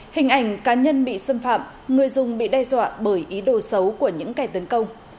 hình ảnh cá nhân bị xâm phạm người dùng bị đe dọa bởi ý đồ xấu của những kẻ tấn công